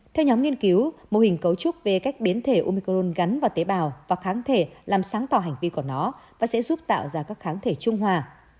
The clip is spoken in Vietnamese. theo nhóm nghiên cứu mô hình cấu trúc về cách biến thể umicron gắn vào tế bào và kháng thể làm sáng tỏ hành vi của nó và sẽ giúp tạo ra các kháng thể trung hòa